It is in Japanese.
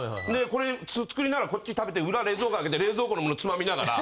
これ作りながらこっち食べて裏冷蔵庫開けて冷蔵庫のものつまみながら。